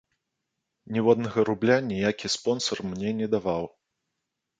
Ніводнага рубля ніякі спонсар мне не даваў.